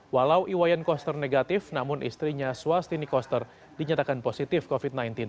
walau iwayan koster negatif namun istrinya swastini koster dinyatakan positif covid sembilan belas